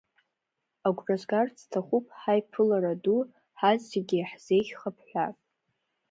Агәра згарц сҭахуп ҳаиԥылара ду ҳазегьы иаҳзеиӷьхап ҳәа.